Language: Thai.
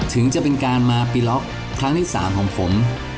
ถึงจะเป็นการมาปีล็อกครั้งที่๓ของผม